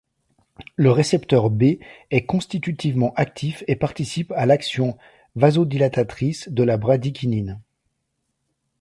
Le récepteur B est constitutivement actif et participe à l’action vasodilatatrice de la bradykinine.